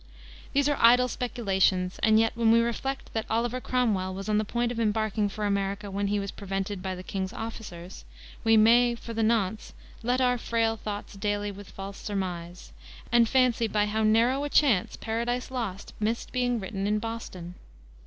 These are idle speculations, and yet, when we reflect that Oliver Cromwell was on the point of embarking for America when he was prevented by the king's officers, we may, for the nonce, "let our frail thoughts dally with false surmise," and fancy by how narrow a chance Paradise Lost missed being written in Boston.